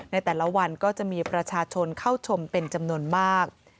ในแต่ละวันก็จะมีประชาชนเข้าชมเป็นจำนวนมาก